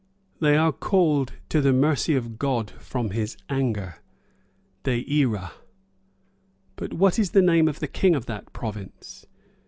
They are called to the mercy of God from his anger de ira. But what is the name of the king of that province?"